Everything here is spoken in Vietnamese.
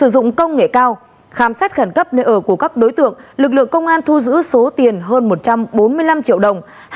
dụng công nghệ cao khám xét khẩn cấp nơi ở của các đối tượng lực lượng công an thu giữ số tiền hơn một trăm bốn mươi năm triệu đồng